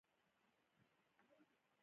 ما ورته وویل چې تاسي هوښیار یاست.